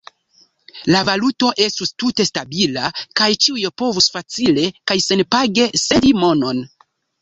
La valuto estus tute stabila kaj ĉiuj povus facile kaj senpage sendi monon.